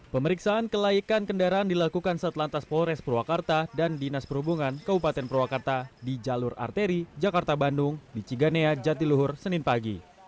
pemeriksaan kelaikan kendaraan dilakukan setelah atas polres purwakarta dan dinas perhubungan keupatan purwakarta di jalur arteri jakarta bandung diciganea jatiluhur senin pagi